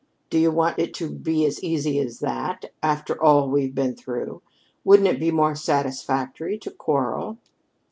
"Do you want it to be as easy as that after all we've been through? Wouldn't it be more satisfactory to quarrel?"